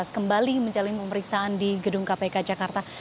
kembali menjalani pemeriksaan di gedung kpk jakarta